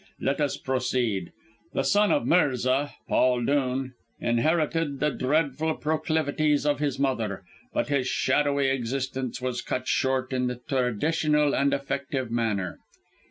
Let us proceed. The son of Mirza, Paul Dhoon, inherited the dreadful proclivities of his mother, but his shadowy existence was cut short in the traditional, and effective, manner.